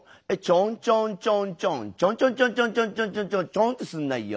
ちょんちょんちょんちょんちょんちょんちょんちょんちょんちょんちょんちょんちょんってすなよ。